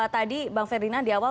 tadi bang ferdinand di awal